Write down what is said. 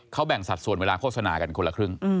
เขาแบ่งสัดส่วนเวลาโฆษณากันคนละครึ่ง